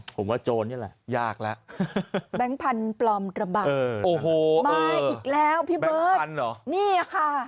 ผมว่าโจนนี่ล่ะแบงค์พันธุ์ปลอมระบัดมาอีกแล้วพี่เบิกเนี่ยค่ะ